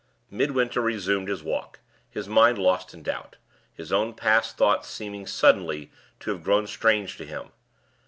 Midwinter resumed his walk; his mind lost in doubt; his own past thoughts seeming suddenly to have grown strange to him.